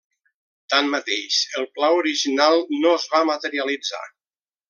Tanmateix, el pla original no es va materialitzar.